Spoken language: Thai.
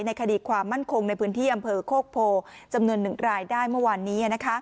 คดีความมั่นคงในพื้นที่อำเภอโคกโพจำนวน๑รายได้เมื่อวานนี้